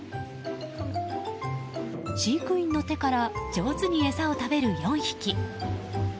飼育員の手から上手に餌を食べる４匹。